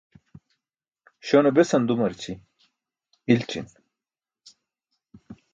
Śone besan dumarci? İlći̇n.